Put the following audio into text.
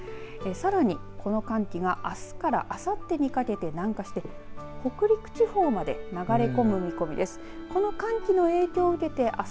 さらにこの寒気があすからあさってにかけて南下して北陸地方まで流れ込む見込みです。